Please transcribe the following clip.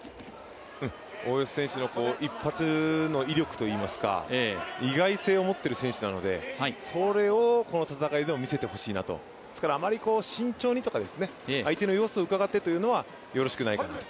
大吉選手の一発の威力といいますか、意外性を持っている選手なのでそれをこの戦いでも見せてほしいなとですから、あまり慎重にとか、相手の様子をうかがってというのはよろしくないかなと。